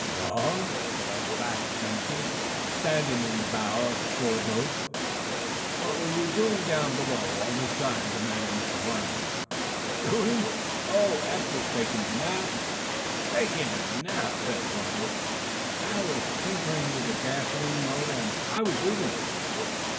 "Wrong?" hailed back Benson, standing in the bow of the shore boat as it made for shore. "What were you doing down below, all this time?" demanded Mr. Farnum. "Doing? Oh, Eph was taking a nap " "Taking a nap?" "Hal was tinkering with the gasoline motor, and I was reading."